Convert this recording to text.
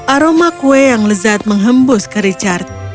aroma kue yang lezat menghembus ke richard